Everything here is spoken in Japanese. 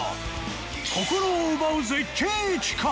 心を奪う絶景駅か！？